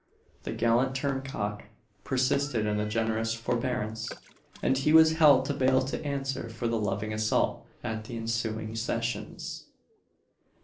The gallant Turncock persisted in this generous forbearance, and he was held to bail to answer for the loving assault at the ensuing Sessions.